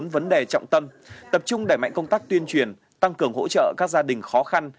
bốn vấn đề trọng tâm tập trung đẩy mạnh công tác tuyên truyền tăng cường hỗ trợ các gia đình khó khăn